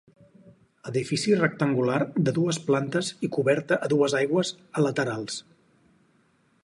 Edifici rectangular de dues plantes i coberta a dues aigües a laterals.